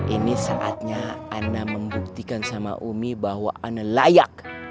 ini saatnya anna membuktikan sama umi bahwa ana layak